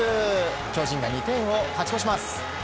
巨人が２点を勝ち越します。